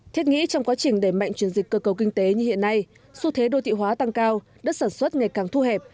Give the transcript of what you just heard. thiết nghĩ trong quá trình đẩy mạnh chuyển dịch cơ cầu kinh tế như hiện nay xu thế đô thị hóa tăng cao đất sản xuất ngày càng thu hẹp